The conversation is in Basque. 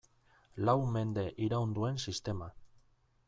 Lau mende iraun duen sistema.